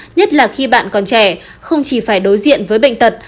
nhất là khi bạn còn trẻ không chỉ phải đối diện với bệnh tật